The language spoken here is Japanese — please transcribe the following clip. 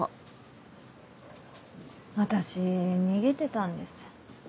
私逃げてたんです。